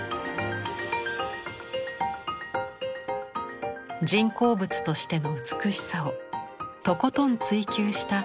人工物としての美しさをとことん追求した未来への提案です。